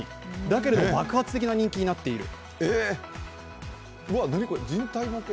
だけれども、爆発的な人気になっている。